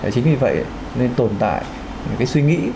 chính vì vậy nên tồn tại cái suy nghĩ